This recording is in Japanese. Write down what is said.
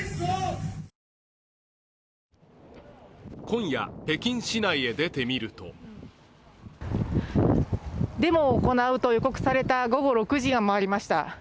今夜、北京市内へ出てみるとデモを行うと予告された午後６時を回りました。